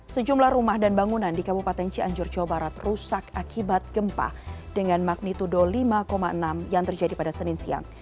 sejumlah rumah dan bangunan di kabupaten cianjur jawa barat rusak akibat gempa dengan magnitudo lima enam yang terjadi pada senin siang